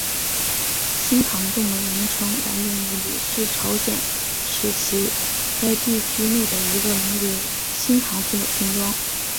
新堂洞的名称来源于李氏朝鲜时期该地区内的一个名为新堂村的村庄。